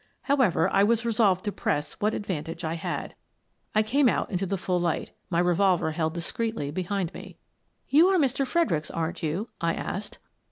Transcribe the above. However, I was resolved to press what advan tage I had. I came out into the full light, my revolver held discreetly behind me. "You are Mr. Fredericks, aren't you?" I asked.